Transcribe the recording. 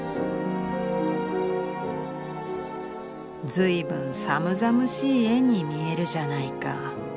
「ずいぶん寒々しい絵に見えるじゃないか。